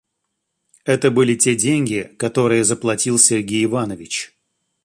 Это были те деньги, которые заплатил Сергей Иванович.